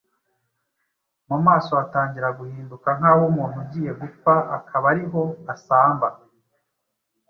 Mu maso hatangira guhinduka nk’ah’umuntu ugiye gupfa akaba ariho asamba.